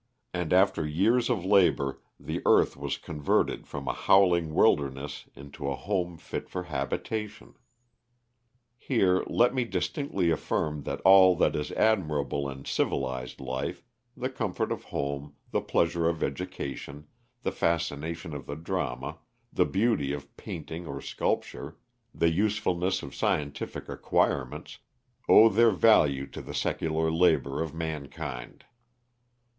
And after years of labor the earth was converted from a howling wilderness into a home fit for habitation. Here let me distinctly affirm that all that is admirable in civilised life the comfort of home, the pleasure of education, the fascination of the drama, the beauty of painting or sculpture, the usefulness of scientific acquirements owe their value to the secular labor of mankind.